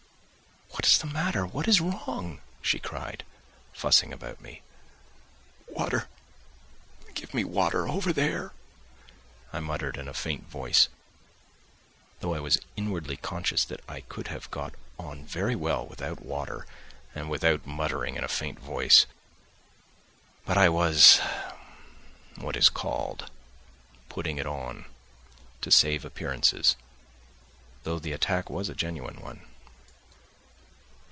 "What is the matter? What is wrong?" she cried, fussing about me. "Water, give me water, over there!" I muttered in a faint voice, though I was inwardly conscious that I could have got on very well without water and without muttering in a faint voice. But I was, what is called, putting it on, to save appearances, though the attack was a genuine one.